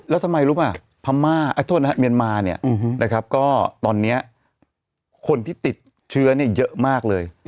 แล้วทำไมรู้มั้ยเมียนมาล์ก็ตอนนี้คนที่ติดเชื้อนี่เยอะมากเลย